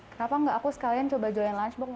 kenapa enggak aku sekalian coba jualan lunchbox